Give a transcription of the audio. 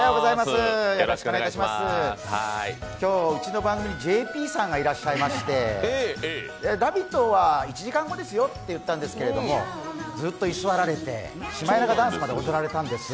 今日、うちの番組にＪＰさんがいらっしゃいまして「ラヴィット！」は１時間後ですよと言ったんですけどずっと一緒に居座られてシマエナガダンスまで歌ったんです。